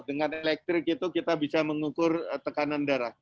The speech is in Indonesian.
dengan elektrik itu kita bisa mengukur tekanan darah